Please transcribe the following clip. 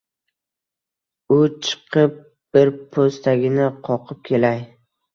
U chiqib bir poʻstagini qoqib kelay